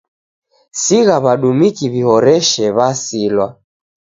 Sigha w'adumiki w'ihoreshe, w'asilwa.